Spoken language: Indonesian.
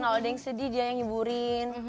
kalau ada yang sedih dia yang hiburin